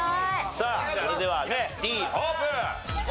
さあそれではＤオープン。